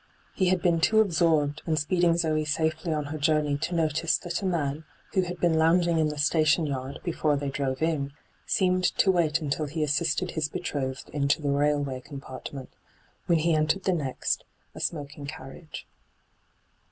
He had been too absorbed in speed .^hyGoogle 120 ENTRAPPED ing Zoe safely on her journey to notice that a man, who had been lounging in the station yard before they drove in, seemed to wait until he aasiBted his betrothed into the railway compartment, when he entered the next, a smoking carriage.